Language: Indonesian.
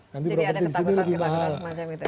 jadi ada ketakutan ketakutan semacam itu ya